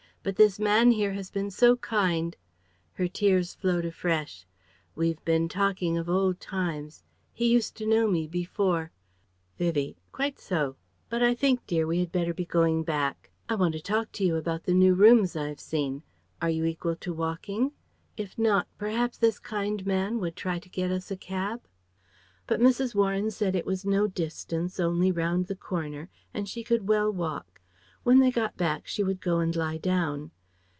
But this man here has been so kind " her tears flowed afresh "We've bin talking of old times; he used to know me before " Vivie: "Quite so. But I think, dear, we had better be going back. I want to talk to you about the new rooms I've seen. Are you equal to walking? If not perhaps this kind man would try to get us a cab...?" But Mrs. Warren said it was no distance, only round the corner, and she could well walk. When they got back she would go and lie down.